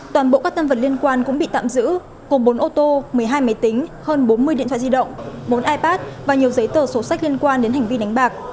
toàn bộ các tân vật liên quan cũng bị tạm giữ gồm bốn ô tô một mươi hai máy tính hơn bốn mươi điện thoại di động bốn ipad và nhiều giấy tờ sổ sách liên quan đến hành vi đánh bạc